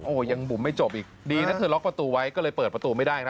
โอ้โหยังบุ๋มไม่จบอีกดีนะเธอล็อกประตูไว้ก็เลยเปิดประตูไม่ได้นะ